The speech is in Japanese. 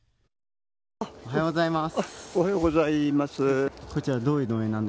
おはようございます。